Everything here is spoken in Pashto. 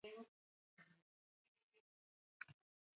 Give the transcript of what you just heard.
دماغ شاوخوا یو نیم کیلو وزن لري.